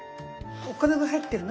お金が入ってるの？